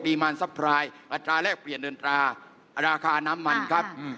มารซัพพรายอัตราแรกเปลี่ยนเดินตราราคาน้ำมันครับ